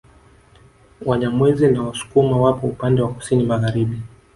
Wanyamwezi na Wasukuma wapo upande wa Kusini magharibi